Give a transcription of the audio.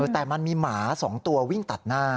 แต่มันมีหมา๒ตัววิ่งตัดหน้า